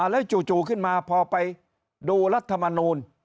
แล้วจู่ขึ้นมาพอไปดูรัฐมนูล